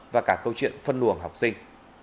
và cả câu chuyện phân luồng học sinh